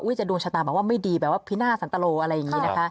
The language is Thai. จะดวงชะตาแบบว่าไม่ดีแบบว่าพินาศสันตโลอะไรอย่างนี้นะคะ